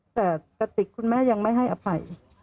แต่กระติกคุณแม่ยังไม่ให้อภัย